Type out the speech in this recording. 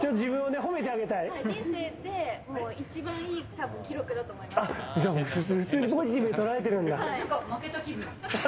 じゃあ、普通にポジティブに捉えてるんだ。